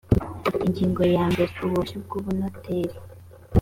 ingingo ya mbere ububasha bw ubunoteri